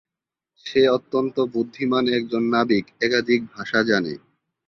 সে অত্যন্ত বুদ্ধিমান একজন নাবিক, একাধিক ভাষা জানে।